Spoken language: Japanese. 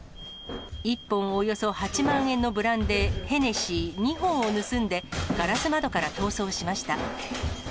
１本およそ８万円のブランデー、ヘネシー２本を盗んで、ガラス窓から逃走しました。